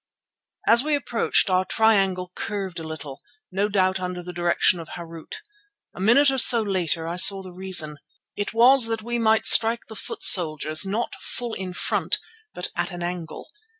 As we approached, our triangle curved a little, no doubt under the direction of Harût. A minute or so later I saw the reason. It was that we might strike the foot soldiers not full in front but at an angle.